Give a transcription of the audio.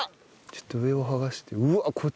ちょっと上を剥がしてうわっこっちにも。